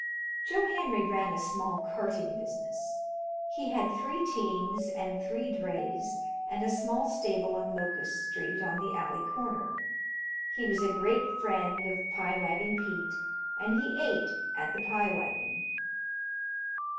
Joe Henry ran a small carting business. He had three teams and three drays, and a small stable on Locust Street, on the alley corner. He was a great friend of Pie Wagon Pete and he ate at the Pie Wagon.